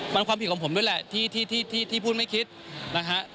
มันความผิดของผมด้วยแหละที่พูดไม่คิดนะฮะ